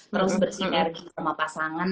terus bersih tergi sama pasangan